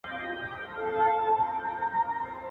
• کوڅه دربی سپى څوک نه خوري.